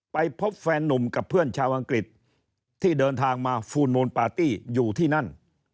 ไปพบแฟนนุ่มกับเพื่อนชาวอังกฤษที่เดินทางมาฟูลมูลปาร์ตี้อยู่ที่นั่น